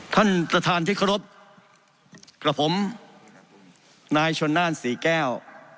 ท่านประธานที่เคารพกับผมนายชนน่านศรีแก้ว